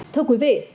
thưa quý vị